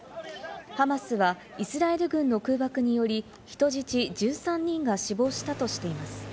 ハマスはイスラエル軍の空爆により、人質１３人が死亡したとしています。